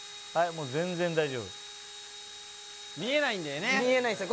もう全然大丈夫見えないんだよね見えないんすよ